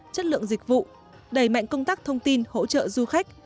chất lượng dịch vụ đẩy mạnh công tác thông tin hỗ trợ du khách